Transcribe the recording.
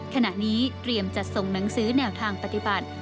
ขณะนี้เตรียมจัดส่งหนังสือแนวทางปฏิบัติ